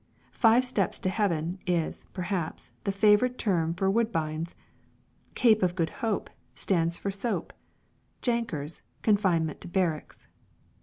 "Five steps to heaven" is, perhaps, the favourite term for Woodbines; "Cape of Good Hope" stands for soap; "jankers," confinement to barracks.